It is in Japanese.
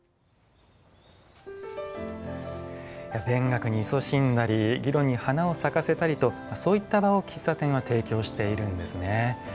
勉学にいそしんだり議論に花を咲かせたりとそういった場を喫茶店は提供しているんですね。